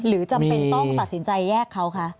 จำเป็นต้องตัดสินใจแยกเขาคะ